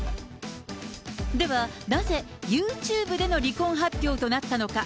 では、なぜユーチューブでの離婚発表となったのか。